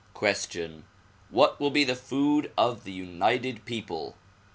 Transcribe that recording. Question: What will be the food of the united people?